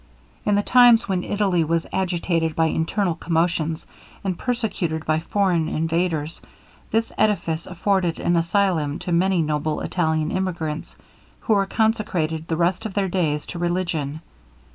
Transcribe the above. In the times when Italy was agitated by internal commotions, and persecuted by foreign invaders, this edifice afforded an asylum to many noble Italian emigrants, who here consecrated the rest of their days to religion.